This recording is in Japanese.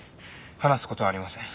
話す事はありません。